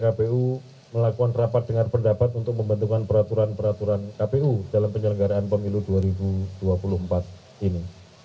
kami juga mengucapkan terima kasih kepada pemilu melakukan rapat dengan pendapat untuk membentukkan peraturan peraturan kpu dalam penyelenggaraan pemilu dua ribu dua puluh empat ini